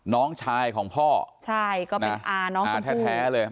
น้องชายของพ่อใช่ก็เป็นอนสมภูมิอแท้เลย